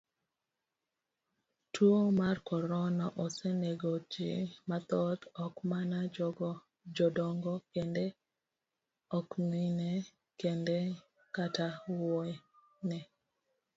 Tuo mar korona osenegoji mathoth ok mana jodongo kende, ok mine kende kata wuone.